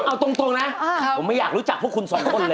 เอาตรงนะผมไม่อยากรู้จักพวกคุณสองคนเลย